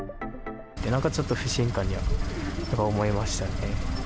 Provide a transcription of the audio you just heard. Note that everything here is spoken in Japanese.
なんかちょっと不信感に思いましたね。